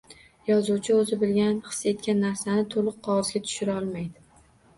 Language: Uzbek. Yozuvchi o‘zi bilgan, his etgan narsalarni to‘liq qog‘ozga tushira olmaydi.